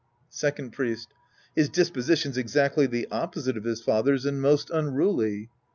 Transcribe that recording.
Second Priest. His disposition's exactly the oppo site of his father's and most unruly.